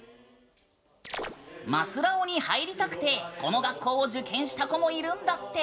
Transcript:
ますらをに入りたくてこの学校を受験した子もいるんだって！